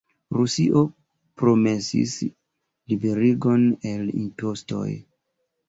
Rusio promesis liberigon el impostoj.